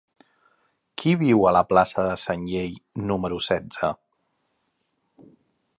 Qui viu a la plaça de Sanllehy número setze?